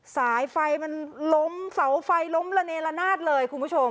สายไฟมันล้มเสาไฟล้มระเนละนาดเลยคุณผู้ชม